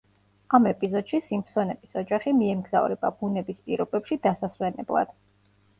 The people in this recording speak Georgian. ამ ეპიზოდში სიმფსონების ოჯახი მიემგზავრება ბუნების პირობებში დასასვენებლად.